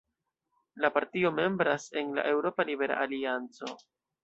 La partio membras en la Eŭropa Libera Alianco.